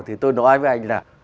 thì tôi nói với anh là